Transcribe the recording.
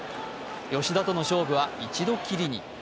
吉田との勝負は１度きりに。